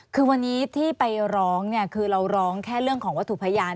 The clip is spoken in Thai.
คือวันนี้ที่ไปร้องเนี่ยคือเราร้องแค่เรื่องของวัตถุพยาน